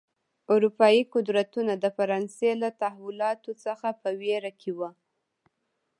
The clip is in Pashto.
اروپايي قدرتونه د فرانسې له تحولاتو څخه په وېره کې و.